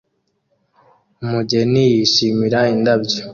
Umugeni yishimira indabyo